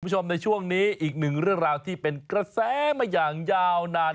คุณผู้ชมในช่วงนี้อีกหนึ่งเรื่องราวที่เป็นกระแสมาอย่างยาวนาน